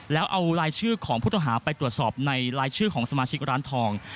แล้วเอารายชื่อของผู้ต้องหาไปตรวจสอบในรายชื่อของสมาชิกร้านทอง